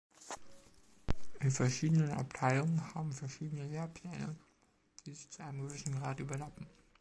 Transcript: Die verschiedenen Abteilungen haben verschiedene Lehrpläne, die sich zu einem gewissen Grad überlappen.